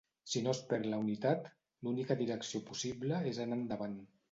Si no es perd la unitat, l’única direcció possible és anar endavant.